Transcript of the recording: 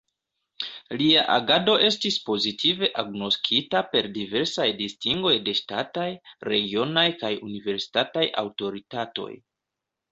Lia agado estis pozitive agnoskita per diversaj distingoj de ŝtataj, regionaj kaj universitataj aŭtoritatoj.